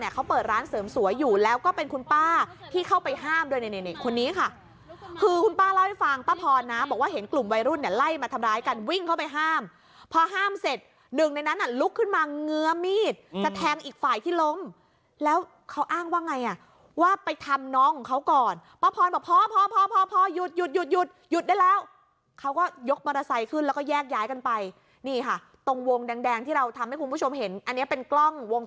เดียวรุ่นเนี่ยไล่มาทำร้ายกันวิ่งเข้าไปห้ามพอห้ามเสร็จหนึ่งในนั้นอ่ะลุกขึ้นมาเงื้อมีดจะแทงอีกฝ่ายที่ล้มแล้วเขาอ้างว่าไงอ่ะว่าไปทำน้องของเขาก่อนป้าพรบอกพ่อพ่อพ่อพ่อพ่อยุดหยุดหยุดหยุดได้แล้วเขาก็ยกมอเตอร์ไซค์ขึ้นแล้วก็แยกย้ายกันไปนี่ค่ะตรงวงแดงที่เราทำให้คุณผู้ชมเห็น